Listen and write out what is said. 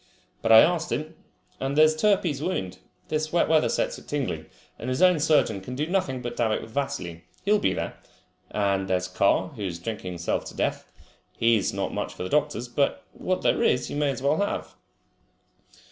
But I asked him. And there's Turpey's wound! This wet weather sets it tingling, and his own surgeon can do nothing but dab it with vaseline. He'll be there. And there's Carr, who is drinking himself to death. He has not much for the doctors, but what there is you may as well have."